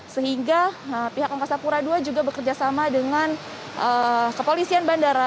sehingga pihak angkasa pura ii juga bekerjasama dengan kepolisian bandara